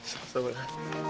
salah sama lu